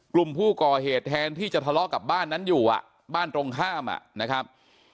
กลุ่มผู้ก่อเหตุแทนที่จะทะเลาะกับบ้านนั้นอยู่บ้านตรงข้ามนะครับ